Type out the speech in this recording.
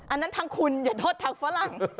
อันนั้นทางคุณอย่าโทษทางฝรั่ง